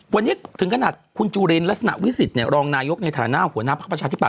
วันนี้ถึงขนาดคุณจุลินลักษณะวิสิทธิ์รองนายกในฐานะหัวหน้าภักดิ์ประชาธิปัต